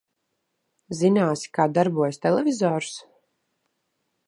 Zināsi, kā darbojas televizors?